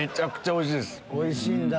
おいしいんだ！